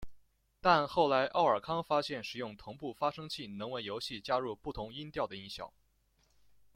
但后来奥尔康发现使用同步发生器能为游戏加入不同音调的音效。